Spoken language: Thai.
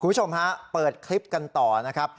คุณผู้ชมฮะเปิดคลิปกันต่อนะครับ